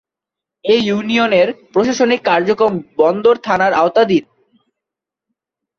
এ ইউনিয়নের প্রশাসনিক কার্যক্রম বন্দর থানার আওতাধীন।